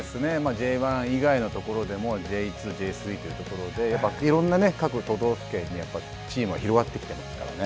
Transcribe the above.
Ｊ１以外のところでもＪ２、Ｊ３というところでいろんな各都道府県にチームが広がってきてますからね。